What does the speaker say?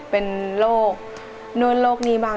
เป็นโรคนู่นโรคนี้บ้าง